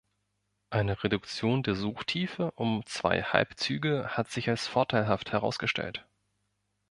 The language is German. Eine Reduktion der Suchtiefe um zwei Halbzüge hat sich als vorteilhaft herausgestellt.